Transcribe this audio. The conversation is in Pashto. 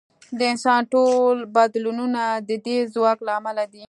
د انسان ټول بدلونونه د دې ځواک له امله دي.